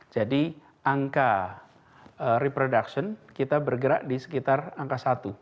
angka reproduction kita bergerak di sekitar angka satu